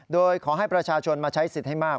โดยขอให้ประชาชนมาใช้สิทธิ์ให้มาก